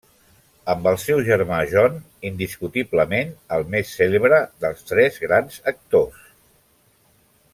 Amb el seu germà John, indiscutiblement el més cèlebre dels tres grans actors.